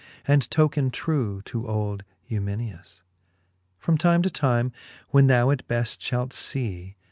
And token true to old Eumenias, From time to time, when thou it beft fhall fee.